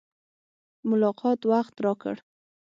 ملاقات وخت راکړ.